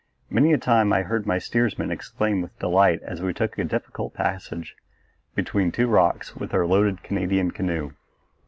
Many a time I heard my steersman exclaim with delight as we took a difficult passage between two rocks with our loaded Canadian canoe.